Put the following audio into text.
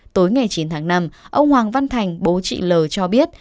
tối ngày chín tháng năm ông hoàng văn thành bố chị l cho biết